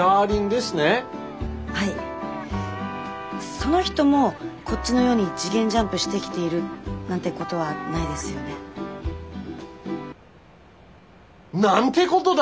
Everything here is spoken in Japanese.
その人もこっちの世に次元ジャンプしてきているなんてことはないですよね？なんてことだ！